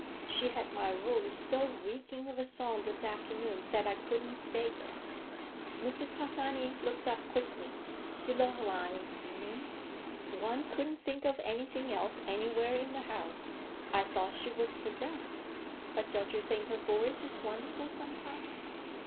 She had my room so reeking of a song this afternoon that I couldn't stay there." Mrs. Harsanyi looked up quickly, "'Die Lorelei,' you mean? One couldn't think of anything else anywhere in the house. I thought she was possessed. But don't you think her voice is wonderful sometimes?"